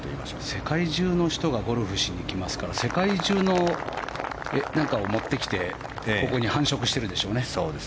世界中の人がゴルフをしに来ますから世界中の何かを持ってきてここで繁殖してるんでしょうね。